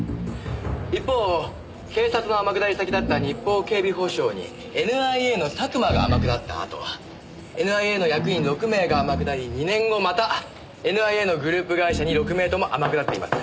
一方警察の天下り先だった日邦警備保障にＮＩＡの佐久間が天下ったあとＮＩＡの役員６名が天下り２年後またＮＩＡのグループ会社に６名とも天下っています。